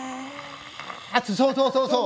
そうそうそうそう。